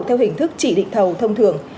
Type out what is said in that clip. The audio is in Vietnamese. theo hình thức chỉ định thầu thông thường